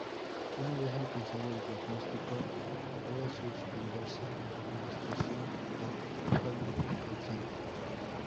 Una vez alcanzado el diagnóstico, debe suspenderse la administración del fármaco causante.